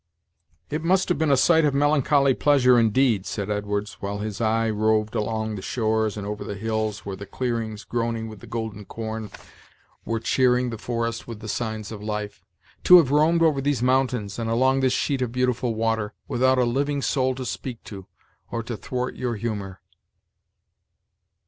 "It must have been a sight of melancholy pleasure in deed," said Edwards, while his eye roved along the shores and over the hills, where the clearings, groaning with the golden corn, were cheering the forest with the signs of life, "to have roamed over these mountains and along this sheet of beautiful water, without a living soul to speak to, or to thwart your humor."